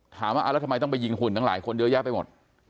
ถามว่าแล้วทำไมต้องไปยิงหุ่นตั้งหลายคนเยอะแยะไปหมด